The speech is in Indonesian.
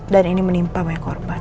dan ini menimpa banyak korban